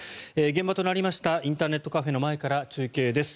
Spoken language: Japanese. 現場となりましたインターネットカフェの前から中継です。